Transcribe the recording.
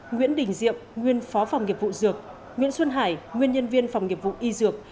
nguyễn đình diệm nguyên phó phòng nghiệp vụ dược nguyễn xuân hải nguyên nhân viên phòng nghiệp vụ y dược